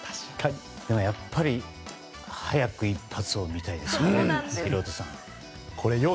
やっぱり早く一発を見たいですね。